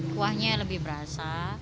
kuahnya lebih berasa